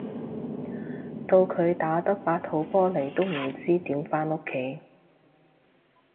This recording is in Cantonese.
到佢打得八號波嚟都唔知點返屋企